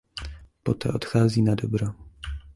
Poté odchází nadobro.